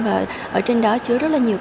và ở trên đó chứa rất là nhiều